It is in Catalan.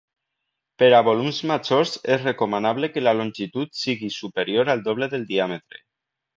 Per a volums majors és recomanable que la longitud sigui superior al doble del diàmetre.